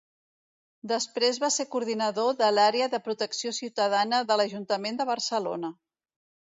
Després va ser coordinador de l'Àrea de Protecció Ciutadana de l'Ajuntament de Barcelona.